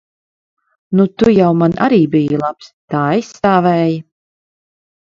Nu, tu jau man arī biji labs. Tā aizstāvēji.